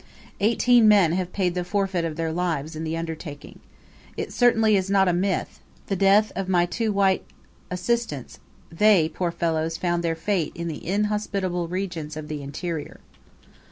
Eighteen men have paid the forfeit of their lives in the undertaking. It certainly is not a myth the death of my two white assistants; they, poor fellows, found their fate in the inhospitable regions of the interior.